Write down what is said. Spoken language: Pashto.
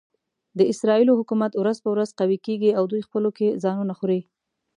د اسرایلو حکومت ورځ په ورځ قوي کېږي او دوی خپلو کې ځانونه خوري.